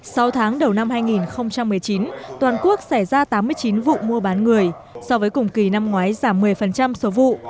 sau tháng đầu năm hai nghìn một mươi chín toàn quốc xảy ra tám mươi chín vụ mua bán người so với cùng kỳ năm ngoái giảm một mươi số vụ